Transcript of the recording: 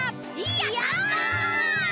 やった！